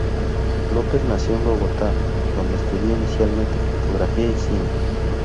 López nació en Bogotá, donde estudió inicialmente fotografía y cine.